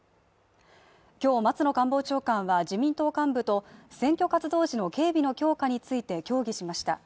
今日、松野官房長官は自民党幹部と選挙活動時の警備の強化について協議しました。